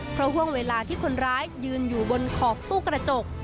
เพราะห่วงเวลาที่คนร้ายยืนอยู่บนขอบตู้กระจก